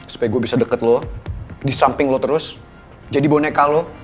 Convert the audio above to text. supaya gue bisa deket lo di samping lo terus jadi boneka lo